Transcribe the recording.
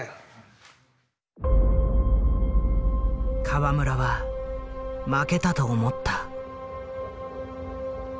河村は負けたと思った。